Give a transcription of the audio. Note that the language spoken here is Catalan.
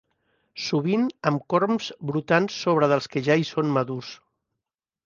Sovint amb corms brotant sobre dels que ja hi són madurs.